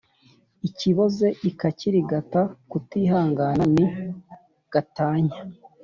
ikiboze ikakirigata kutihangana ni gatanya